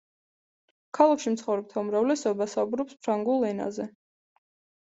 ქალაქში მცხოვრებთა უმრავლესობა საუბრობს ფრანგულ ენაზე.